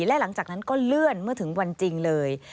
และหลังจากนั้นก็เลื่อนเมื่อถึงวันจริงเลย